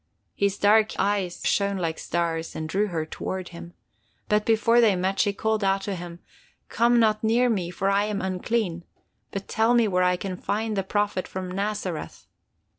His dark eyes shone like stars and drew her toward him. But before they met, she called out to him: 'Come not near me, for I am unclean, but tell me where I can find the Prophet from Nazareth!